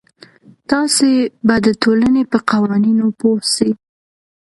تاسې به د ټولنې په قوانینو پوه سئ.